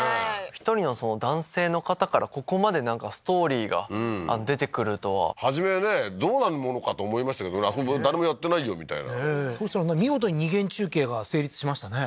１人の男性の方からここまでストーリーが出てくるとは初めはねどうなるものかと思いましたけどねあそこ誰もやってないよみたいな見事に二元中継が成立しましたね